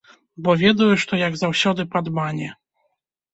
Бо ведаю, што, як заўсёды, падмане.